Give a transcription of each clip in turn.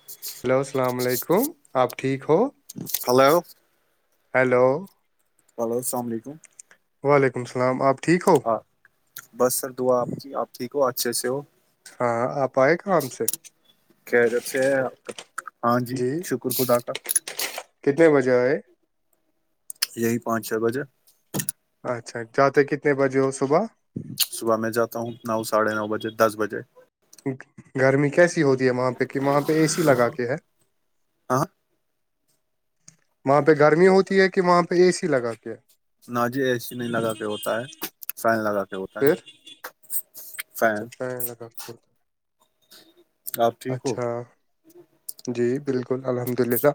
[unintelligible] Hello السلام علیکم آپ ٹھیک ہو ہلو ہیلو ہلو السلام علیکم وعلیکم السل آپ ٹھیک ہو بس سر دعا آپ ج آپ ٹھیک ہو اچھے سے ہو ہاں آپ آئے گم سے کیریت سے ہے آپ کا ہاں جی شکر خدا کا کتنے بجے آئے یہی پہنچ ہے گج اچھا جاتے کتنے بجے ہو صبح صبح میں جاتا ہوں نو ساڑھے نو بجے دس بجے گرمی کیسی ہوتی ہے وہاں پہ کہ وہاں پہ اے سی لگا کے ہے آ وہاں پہ گرمی ہوتی ہے کہ وہاں پہ اے سی لگاتی ہے جی اے سی نہیں لگا کے ہوتا ہے فین لگا کے ہوتا پھر ہے اچھا فین ٹر لگا کے ہوتا ہے آپ ٹھیک ہو جی بالکل الحمد للہ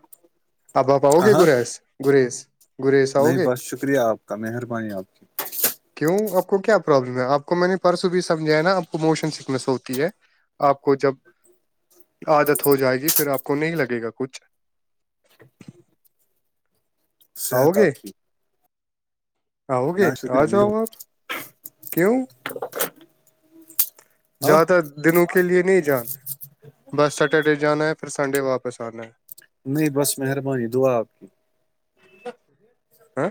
اب آپ آؤ ہاں گے ہاں گریز گریز گریز آؤ نہیں گے بس شکریہ آپ کا مہربانی آپ کی کیوں آپ کو کیا پرابلم ہے آپ کو میں نے پرسوں بھی سمجھا ہے نا آپ کو موشن سکنس ہوتی ہے آپ کو جب عادت ہو جائے گی پھر آپ کو نہیں لگے گا کچھ [inaudible] صحت آپسی ہؤو گے آ شکریہ جاؤ آپ کیوں ہاں زیادہ دنوں کے لیے نہیں جانا ہے بس سٹرڈے جانا ہے پھر سنڈے واپس آنا ہے نہیں بس مہربانی دعا آپ کی ہاں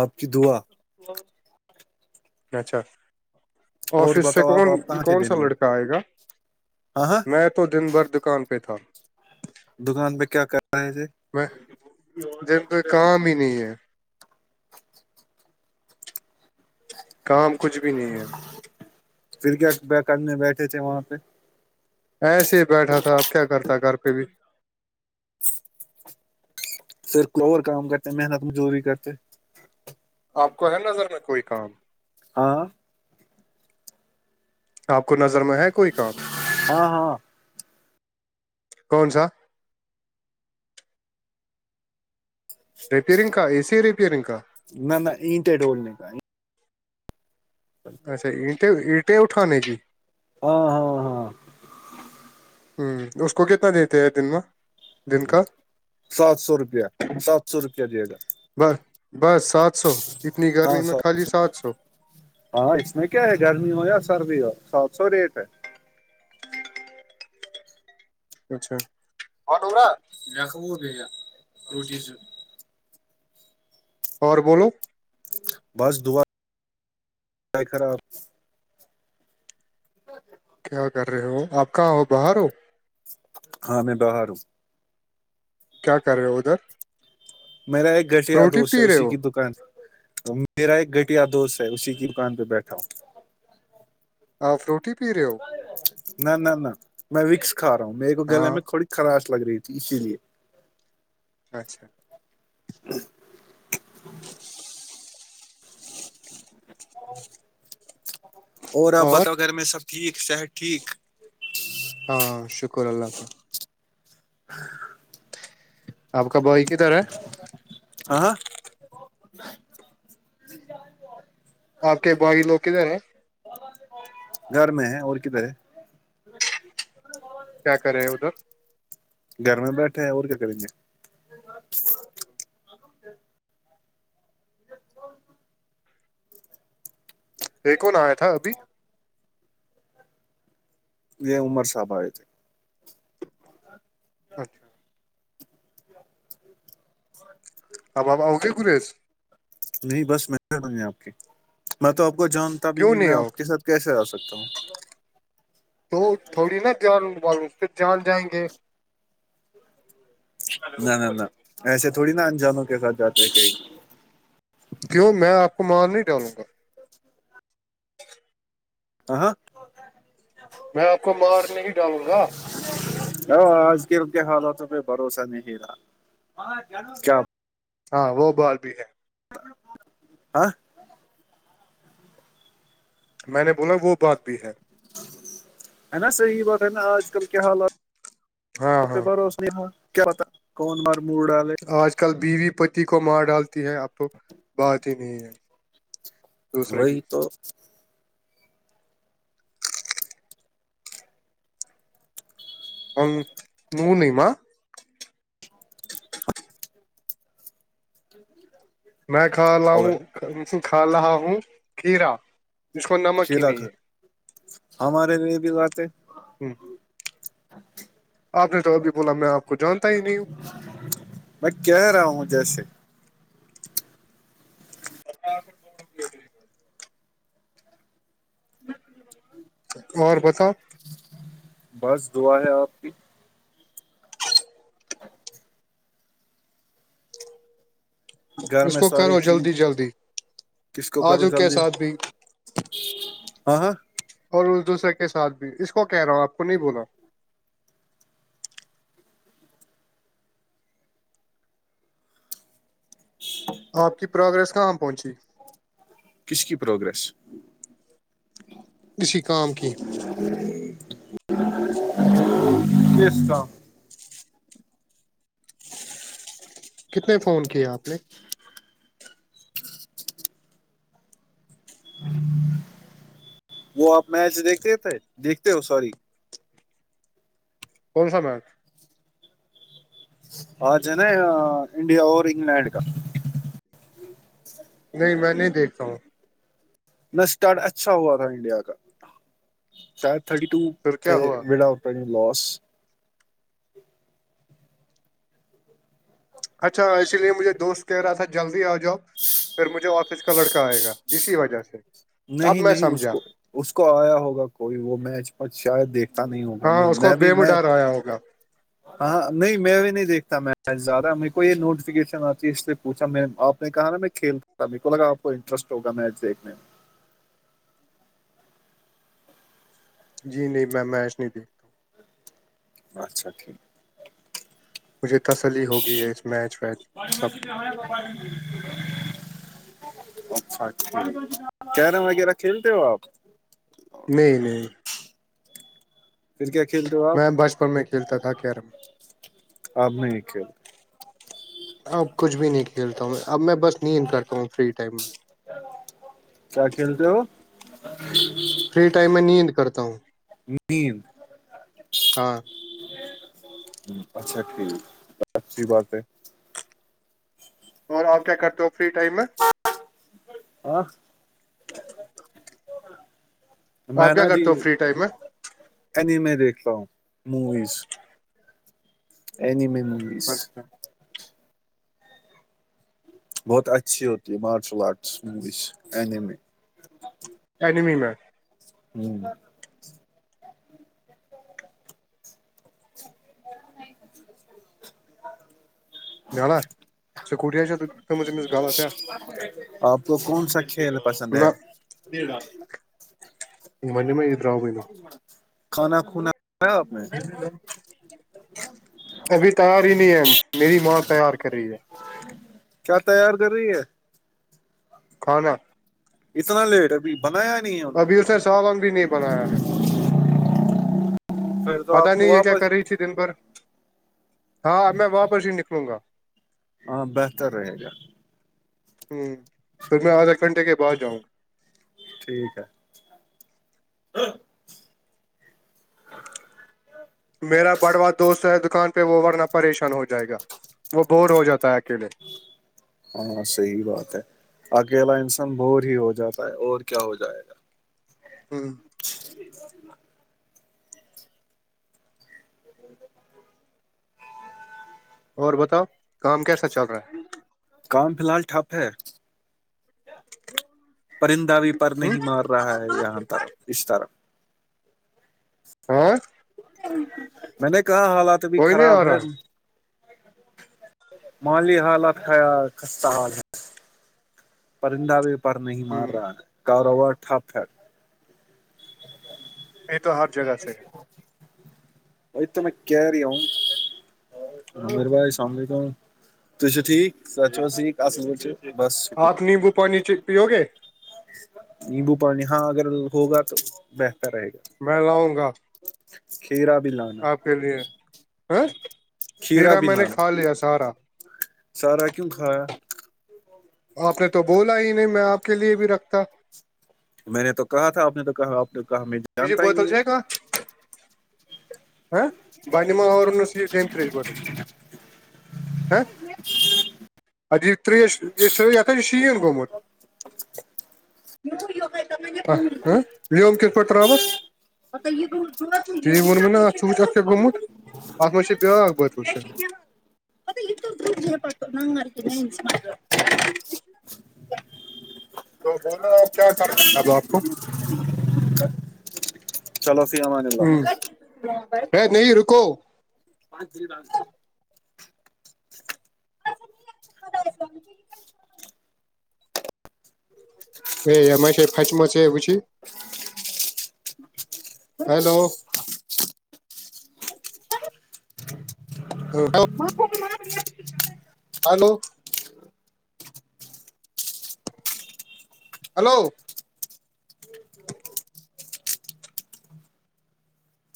آپ کی دعا اچھا اور آفس سے بتاؤ آپ کون آپ کہاں تھے کون سا دن میں لڑکا آئے گا ہاں ہاں میں تو دن بھر دکان پہ تھا دکان پہ کیا کر رہے ہے تھے میں کو کام ہی نہیں ہے کام کچھ بھی نہیں ہے پھر کیا کرنے بیٹھے تھے وہاں پہ ایسے ہی بیٹھا تھا اب کیا کرتا گھر پہ بھی پھر اور کام کرتے محنت مزوری کرتے آپ کو ہے نظر میں کوئی کام ہاں آپ کو نظر میں ہے کوئی کام ہاں ہاں کون سا ریپیئرنگ کا اے سی ریپیئرنگ کا نہ نہ اٹ ڈول نہیں اچھا اینٹیں اینٹیں اٹھانے کیی ہاں ہاں ہاں ہوں اس کو کتنا دیتے ہیں دن میں دن کا سات سو روپیہ سات سو روپیہ دے گا بس بس سات سو اتنی گرمی میں خالی سات سو ہاں اس میں کیا ہے گرمی ہو یا سردی ہو سات سو ریٹ ہے چھاا رکھ وہو بھییا فروٹی سے اور بولو بس دعا خراب کیا کر رہے ہو آپ کہاں ہو باہر ہو ہاں میں بر کیا کر رہے ہو ادھر میرا ایک گھٹیا فروٹی دوست ہے پی رہے اسی ہو کی دکان سے میرا ایک گھٹیا دوست ہے اسی کی دکان پہ بیٹھا ہوں ہاں فروٹ ہی پی رہے ہو نہ نہ نہ میں وکس کھا رہا ہوں میرے کو گلے ہاں میں تھوڑی خراش لگ رہی تھی اسی لیے اچھا ہ اور آپ بتاؤ گھر میں سب ٹھیک صحت ٹھیک ہاں شکر اللہ ہاں آپ کا بھائی کدھر ہے آ ہاں آپ کے باغی لوگ کدھر ہیں گھر میں ہے اور کدھر ہے کیا کرے ہیں ادھر گھر میں بیٹھے ہیں اور کیا کریں گے ج ایک کون آیا تھا ابھی یہ عمر صاحب ہے تھے اچھا آ بابا او گے گریس نہیں بس من ہے آپ کی میں تو آپ کو جانتا بھی کیوں نہیں میں آؤ آپ گے؟ کے ساتھ کیسے آ سکتا ہوں تو تھوڑی نا جان ب اس پ جان جائیں گے نہ نہ نہ ایسے تھوڑی نا انجانوں کے ساتھ جاتے ہیں کہئی کیوں میں آپ کو مار نہیں ڈالوں گا ج ہ ہ میں آپ کو مار نہیں ڈالوں گا آج کل کے حالاتوں پہ بھروسہ نہیں رہا کیا ہاں وہ بار بھی ہے ہاں میں نے بولا وہ بات بھی ہے ہے نا صحیح بات میں آج کل کیا ہاں حالات پہ ہاں بھروس نہیں کیا پتا کون مار موڈ والے آج کل بیوی پتی کو مار ڈالتی ہے اب تو بات ہی نہیں ہے دوسرے کی وہی تو نو نہیں ما ٹ میں کھا لاؤوں کا لا ہوں کھیرا جس کو نمک کھیر ہی نہیں ہمارے لی بھی بات ہے ہے آپ نے تو ابھی بولا میں آپ کو جانتا ہی نہیں ہوں میں کہ رہا ہوں جیسے اور بتاؤ بس دعا ہے آپ کی گھر اس میں کو ساریی کرو ٹھیک جلدی جلدی کس کو کروں آجو کے جلدی ساتھ بھی ہاں اور اس دوسرے کے ساتھ بھی اس کو کہہ رہا ہوں آپ کو نہیں بولا ش آپ کی پروگرس کہاں پہنچی کس کی پروگریس اسی کام کی کیس کا کتنے فون کی آپ نے وہ آپ میچ دیکھتے تھے دیکھتے ہو سوری کون سا مت آ انڈیا اور انگلینڈ کا نہیں میں نہیں دیکھتا ہوں نہ اسٹارٹ اچھا ہوا تھا انڈیا کا شاید تھرٹی ٹو پھر کیا تھے ہوا وڈ آٹ لوس اچھا اسی لیے مجھے دوست کہہ رہا تھا جلدی آ جاؤ پھر مجھے آفس کا لڑکا آئے گا اسی وجہ سے اب نہیں میں نہیں اس سمجھا کو اس کو آیا ہوگا کوئی وہ میچ مچ شاید دیکھ ہاں اس کو بےم اٹھاایا ہوگا ہاں نہیں میں بھی نہیں دیکھتا میچ زیادہ میرے کو یہ نوٹیفکیشن آتی ہے اس سے پوچھا میں آپ نے کہا نا میں کھیلتا میک کو لگا آپ کو انٹرسٹ ہوگا میچ دیکھنے میں جی نہیں میم میش نہیں تھی اچھا ٹھیک ہے مجھے تسلی ہوگی ہے اس میچ ویچ سب کی اچھ اچ کیرم وغیرہ کھیلتے ہو آپ نہیں نہیں پھر کیا کھیلتے ہو آپ فل میں کھیلتا تھا کیرم آپ نہیں کیا اب کچھ بھی نہیں کھیلتا ہوں میں اب میں بس نیند کرتا ہوں فری ٹائم میں کیا کھیلتے ہو فری ٹائم میں نیند کرتا ہوں نم ہاں اچھا ٹھیک اچھی بات ہے اور آپ کیا کرتے ہو فری ٹائم میں آ میں آپ کیا نا جی کرتے ہو فری ٹائم میں اینمے دیکھ رہ ہوں موویز ای اچھا بہت اچھی ہوتی ہے مارشل آرٹس می ا ایڈمی میں ہوں جانا سکوٹی تھم سے امس غلط ہے آپ کو کون سا کھیل پسند ہے نہ بیا منی میں را ب کھانا کھونایا آپ نے نہٕ ابھی تیار ہی نہیں ہے میری ماں تیار کر رہی ہے کیا تیار کر رہی ہے کھانا اتنا لیٹ ابھی بنایا نہیں ہے انوں ابھی نے اس سالن بھی نہیں بنایا ہے ہ پتا نہیں یہ کیا کر رہی تھی دن بھر ہاں میں واپس ہی نکلوں گا ہاں بہتر رہے گا ہوں توھر میں آدھا گھنٹے کے بعد جاؤں گا ٹھیک ہے میرا بڑوا دوست ہے دکان پہ وہ ورنہ پریشان ہو جائے گا وہ بور ہو جاتا ہے اکیلے ہاں صی بات ہے اکیلا انسان بور ہی ہو جاتا ہے اور کیا ہو جائے گا ہوں ج اور بتاؤ کام کیسا چل رہا ہے کام فی الحال ٹھپ ہے پرندہ بھی پر ہے نہیں مار رہا ہے یہاں طرف اسش طرف ہاں میں نے کہا حالات ابھی کوئی نہیں آ خراب ہے رہا مالی حالات ہے سستا حال ہے پرندہ بھی پر نہیں ہے مار ہ رہا ہے کاروبار ٹھپ ہے یہ تو ہر جگہ سے ہے وت میں کریم [unintelligible] آپ نیمبو پانی پیو گے نیمبو پانی ہاں اگر ہوگا تو بہتر رہے گا میں لاؤں گا کھییرا بھی ل کے لیے ہ کھیرا ہیرا بھی میں نے لانانا کھا لیا سارا سارا کیوں کھایا آپ نے تو بولا ہی نہیں میں آپ کے لیے بھی رکھتا میں نے تو کہا تھا آپ نے تو کہا آپ نے کہا بجی جانتا ہی بوتل نہیں ج ہوں کا ہ بہ نما ا س دم تریش بدل ا یہ تریش یہ س یہتا جو شین گومت لب کت پڑ ترس ت ونم نا آھک کیا گمت ات مجھ بیا بچہ وچنے ا یہ تو دورج پٹ نن مرک م تو بولو اب کیا کر رہے ہے اب آپ کو چلو فی ہم ہوں نہیں رکو پانچ د لال [inaudible] یہ ای سے فچم پ ہیلو ہلو ہلو